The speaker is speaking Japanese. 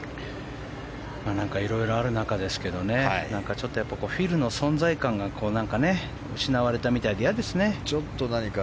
いろいろある中ですけどちょっと何かフィルの存在感が失われたみたいで、嫌ですね。